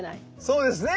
そうですね